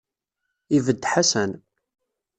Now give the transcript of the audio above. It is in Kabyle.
Ibedd Ḥasan.